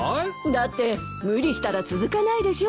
だって無理したら続かないでしょ？